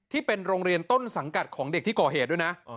ที่เป็นโรงเรียนต้นสังกัดของเด็กที่ก่อเหตุด้วยนะ